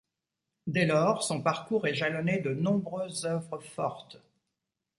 Dès lors, son parcours est jalonné de nombreuses œuvres fortes.